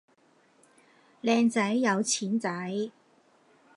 靚仔有錢仔